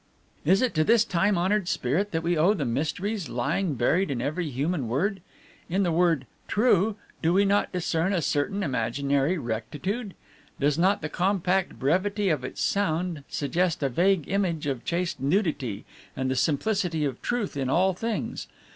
"Is it to this time honored spirit that we owe the mysteries lying buried in every human word? In the word True do we not discern a certain imaginary rectitude? Does not the compact brevity of its sound suggest a vague image of chaste nudity and the simplicity of Truth in all things?